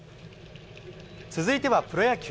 続いてはプロ野球。